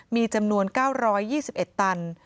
มีจำนวน๙๒๑ตัน